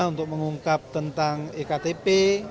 untuk mengungkap tentang iktp